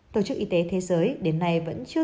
tổ chức y tế thế giới đến nay vẫn chưa